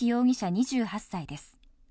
２８歳です。